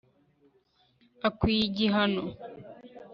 akwiye igihano